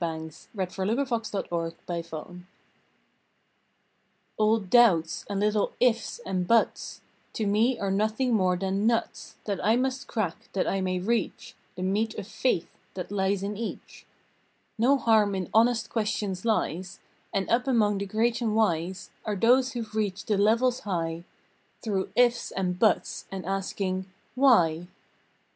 December Twenty eighth A IF, BUT, AND WHY LL " doubts " and little " if s " and " buts " To me are nothing more than nuts That I must crack that I may reach The meat of faith that lies in each. No harm in honest questions lies, And up among the great and wise Are those who ve reached the levels high Through "ifs," and "buts," and asking "WHY?"